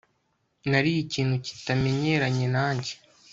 Nariye ikintu kitemeranya nanjye